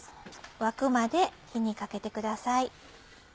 沸くまで火にかけてください。